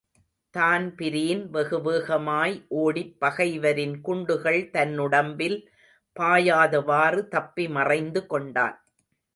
Dan Breen வெகு வேகமாய் ஓடிப் பகைவரின் குண்டுகள் தன்னுடம்பில் பாயாதவாறு தப்பி மறைந்து கொண்டான்.